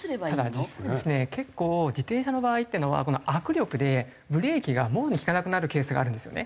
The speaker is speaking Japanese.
ただ実際ですね結構自転車の場合っていうのは握力でブレーキがもろに利かなくなるケースがあるんですよね。